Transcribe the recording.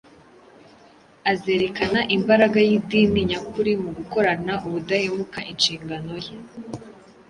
azerekana imbaraga y’idini nyakuri mu gukorana ubudahemuka inshingano ye.